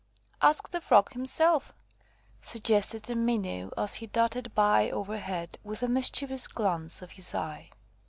"Ask the Frog himself," suggested a Minnow, as he darted by overhead, with a mischievous glance of his eye.